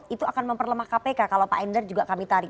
itu akan memperlemah kpk kalau pak endar juga kami tarik